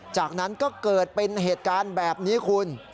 จากนั้นก็เกิดเป็นเหตุการณ์แบบนี้คุณ